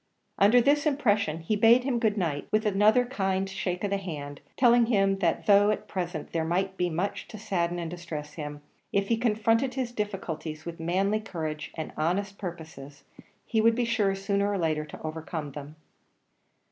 Under this impression he bade him good night, with another kind shake of the hand; telling him that though, at present, there might be much to sadden and distress him, if he confronted his difficulties with manly courage and honest purposes, he would be sure sooner or later to overcome them.